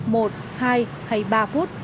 một hai hay ba phút